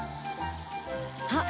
あっ！